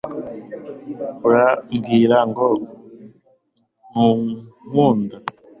urambwira ngo ntunkunda